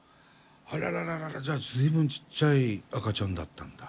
あららららじゃあ随分ちっちゃい赤ちゃんだったんだ。